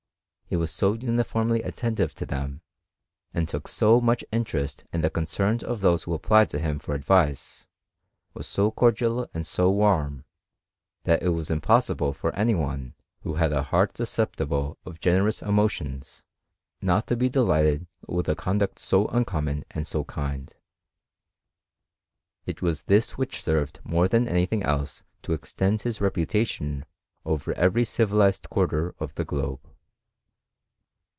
He was so uniformly attentive to them, and took so much interest in the concerns of those who applied to him for advice ; was so cordial and so warm, that it was impossible for any one, who had a heart susceptible of generous emotions, not to be delighted with a conduct so uncommon and so kind. It was this which served more than any thing else to extend his reputation over every civilized quarter of the globe.